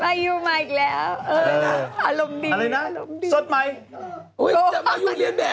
ฉันอ่ะสดใหม่อะไรสดใหม่อะไรนะอะไรนะทำเสียงเธออ่ะทำเสียงเธอ